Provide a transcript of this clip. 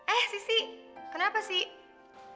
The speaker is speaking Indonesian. eh sissy kenapa sih